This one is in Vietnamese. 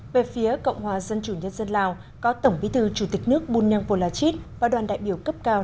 về phía cộng hòa dân chủ nhân dân lào có tổng bí thư chủ tịch nước bun ngang phu la chit và đoàn đại biểu cấp cao